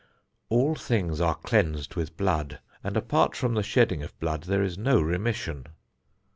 All things are cleansed with blood, and apart from the shedding of blood there is no remission.